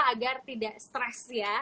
agar tidak stress ya